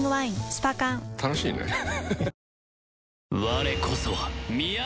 スパ缶楽しいねハハハ